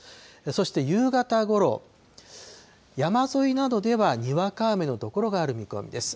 そして夕方ごろ、山沿いなどではにわか雨の所がある見込みです。